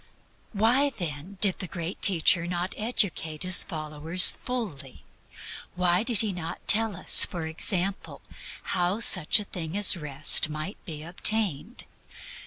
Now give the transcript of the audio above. Why, then, did the Great Teacher not educate His followers fully? Why did He not tell us, for example, how such a thing as Rest might be obtained?